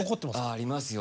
ありますよ。